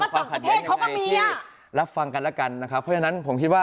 เพราะฉะนั้น